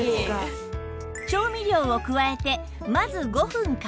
調味料を加えてまず５分加圧